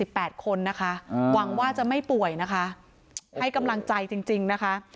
แปดคนนะคะอ่าหวังว่าจะไม่ป่วยนะคะให้กำลังใจจริงจริงนะคะ